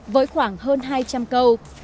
với khoảng hơn hai trăm linh câu